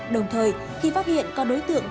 đồng thời khi phát hiện có đối tượng